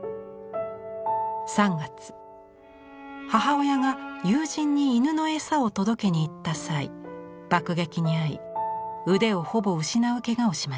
３月母親が友人に犬の餌を届けに行った際爆撃に遭い腕をほぼ失うけがをしました。